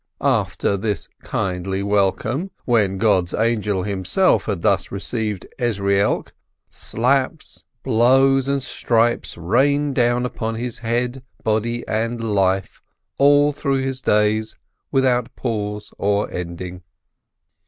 After this kindly welcome, when God's angel himself had thus received Ezrielk, slaps, blows, and stripes rained down upon his head, body, and life, all through his days, without pause or ending.